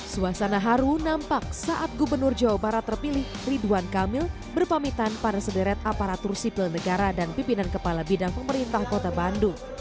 suasana haru nampak saat gubernur jawa barat terpilih ridwan kamil berpamitan pada sederet aparatur sipil negara dan pimpinan kepala bidang pemerintah kota bandung